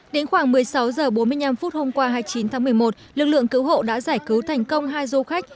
đến khoảng một mươi sáu h bốn mươi năm hôm qua hai mươi chín tháng một mươi một lực lượng cứu hộ đã giải cứu thành công hai du khách